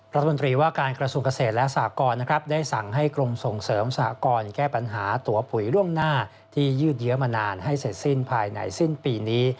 รัฐมนตรีว่าการกระทรวงเกษตรและสากรนะครับได้สั่งให้กรมส่งเสริมสหกรแก้ปัญหาตัวปุ๋ยล่วงหน้าที่ยืดเยอะมานานให้เสร็จสิ้นภายในสิ้นปีนี้